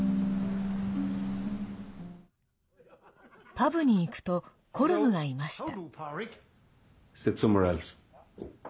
パブに行くとコルムがいました。